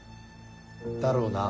だろうな。